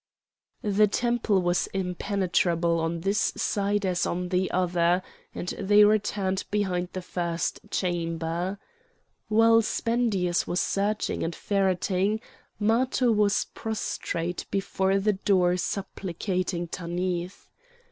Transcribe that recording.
The temple was impenetrable on this side as on the other, and they returned behind the first chamber. While Spendius was searching and ferreting, Matho was prostrate before the door supplicating Tanith.